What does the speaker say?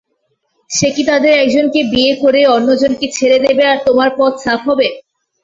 সে তাদের একজনকে বিয়ে করে অন্যজনকে ছেড়ে দেবে আর তোমার পথ সাফ হবে।